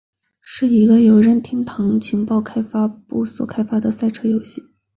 是一个由任天堂情报开发本部所开发的赛车游戏。